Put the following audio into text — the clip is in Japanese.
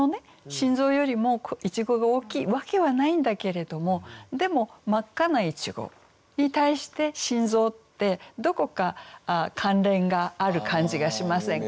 心臓よりもいちごが大きいわけはないんだけれどもでも真っ赤ないちごに対して心臓ってどこか関連がある感じがしませんか？